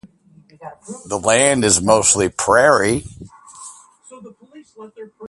The land is mostly prairie.